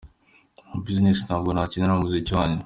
Ni business ntabwo nakinira mu muziki wanjye.